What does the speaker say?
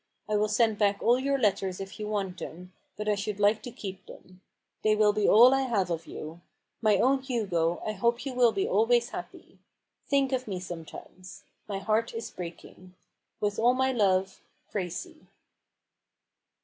I will send back all your letters if you want them, but I should like to keep them. They will be all I have of you. My own Hugo, I hope you will be always happy. Think of me sometimes. My heart is breaking. " With all my love. "Gracie."